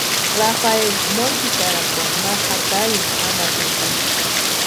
Rafaeli motsitarakwani ma jatarini jamaxati.